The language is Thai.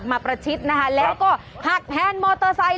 กดขับมาประชิดนะฮะแล้วก็หักแพนมอเตอร์ไซค์